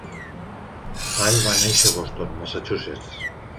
Dall va néixer a Boston, Massachusetts.